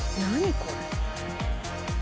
これ。